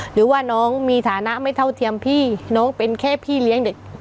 หรือว่าน้องมีฐานะไม่เท่าเทียมพี่น้องเป็นแค่พี่เลี้ยงเด็ก